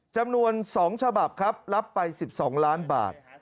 จำนวน๒ฉบับครับรับไป๑๒ล้านบาท